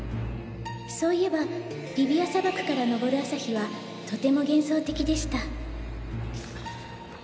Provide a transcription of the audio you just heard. そういえばリビア砂漠からのぼる朝日はとても幻想的でした」。